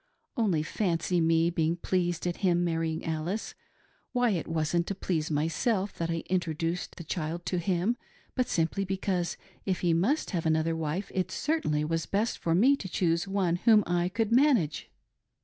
Only fancy me being pleased at him marrying . Alice ! Why, it wasn't to please myself that I introduced thfe child to him, but simply because, if he must have another wife, it was certainly best for me to choose one whom I could manage.